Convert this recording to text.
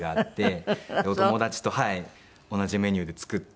お友達と同じメニューで作って。